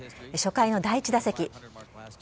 初回の第１打席。